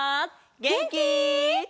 げんき？